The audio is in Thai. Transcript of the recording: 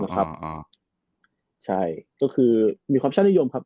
ที่มีความชนิยม